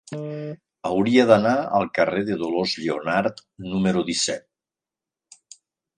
Hauria d'anar al carrer de Dolors Lleonart número disset.